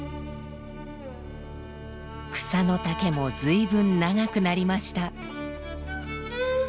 草の丈も随分長くなりました。